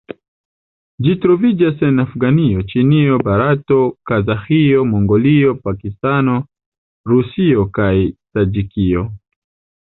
Ĝi troviĝas en Afganio, Ĉinio, Barato, Kazaĥio, Mongolio, Pakistano, Rusio kaj Taĝikio.